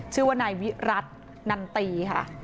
ชื่อว่าไหนเป็นวิรัตินันตรี